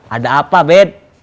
ada apa bed